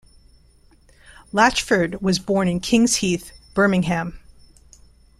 Latchford was born in Kings Heath, Birmingham.